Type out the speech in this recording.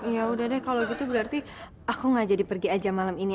ya udah deh kalau gitu berarti aku gak jadi pergi aja malam ini